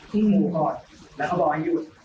พึ่งหมู่ก่อนแล้วก็บอกให้หยุด